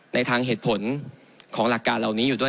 ในทางเหตุผลของหลักการเหล่านี้อยู่ด้วย